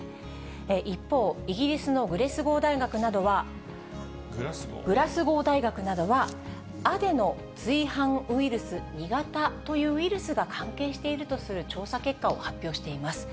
一方、イギリスのグラスゴー大学などは、アデノ随伴ウイルス２型というウイルスが関係しているとする調査結果を発表しています。